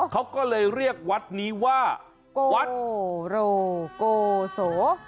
เขาก็เลยเรียกวัดนี้ว่าวัดโรโกโส